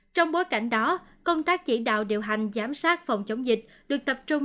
trong bối cảnh đó công tác chỉ đạo điều hành giám sát phòng chống dịch được tập trung